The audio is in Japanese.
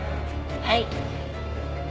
はい。